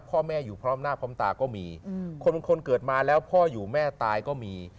พ่อแม่อยู่พร้อมหน้าพร้อมตาก็มี